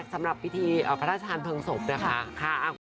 สำหรับพิธีพระราชทานเพลิงศพนะคะ